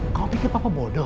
kamu pikir papa bodoh